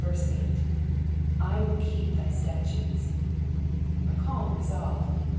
*'/ mil keep thy statutes,'''' A calm resolve.